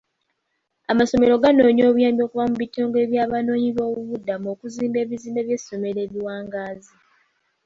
Amasomero ganoonya buyambi okuva mu bitongole by'Abanoonyiboobubudamu okuzimba ebizimbe by'essomero ebiwangaazi.